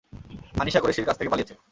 আনিশা কোরেশীর কাছ থেকে পালিয়েছে।